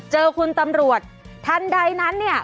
เจอคุณตำรวจทันใดนั้นเนี่ย